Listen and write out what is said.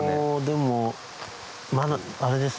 でもまだあれですね。